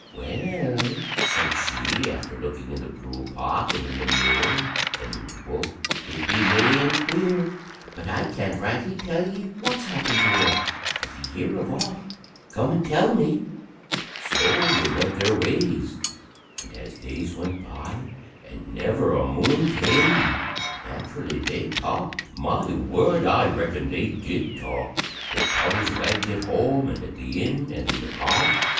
"Well," said she, after looking in the brewpot, and in the mirror, and in the Book, "it be main queer, but I can't rightly tell ye what's happened to her. If ye hear of aught, come and tell me." So they went their ways; and as days went by, and never a Moon came, naturally they talked my word! I reckon they did talk! their tongues wagged at home, and at the inn, and in the garth.